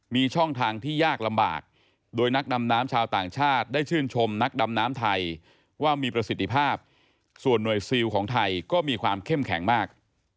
มีช่องทางที่ยากลำบาก